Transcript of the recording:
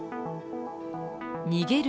逃げる